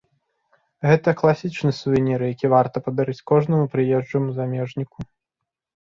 Гэта класічны сувенір, які варта падарыць кожнаму прыезджаму замежніку.